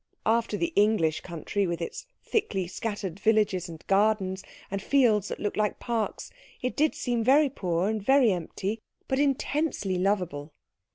After the English country, with its thickly scattered villages, and gardens, and fields that looked like parks, it did seem very poor and very empty, but intensely lovable.